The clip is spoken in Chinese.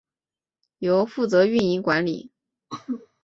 由负责运营管理。